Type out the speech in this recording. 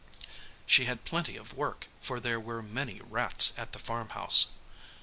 She had plenty of work, for there were many rats at the farm house.